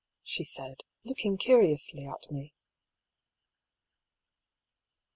" she said, looking curiously at me.